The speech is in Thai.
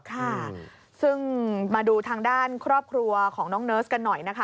ค่ะซึ่งมาดูทางด้านครอบครัวของน้องเนิร์สกันหน่อยนะคะ